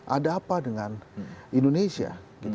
ada apa dengan indonesia